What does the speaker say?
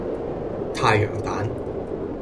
太陽蛋